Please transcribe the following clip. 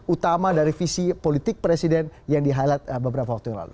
utama dari visi politik presiden yang di highlight beberapa waktu yang lalu